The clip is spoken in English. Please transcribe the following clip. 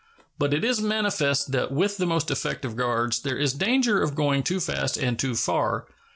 But it is manifest that with the most effective guards there is danger of going too fast and too far.